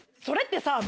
それってさ。